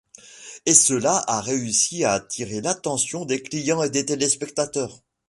Et cela a réussi à attirer l'attention des clients et des téléspectateurs.